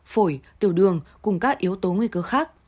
phổi tiểu đường cùng các yếu tố nguy cơ khác